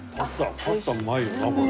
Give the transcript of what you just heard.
パスタうまいよなこれ。